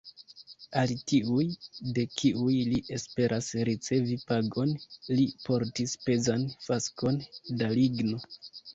Al tiuj, de kiuj li esperas ricevi pagon, li portis pezan faskon da ligno.